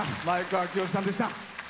前川清さんでした。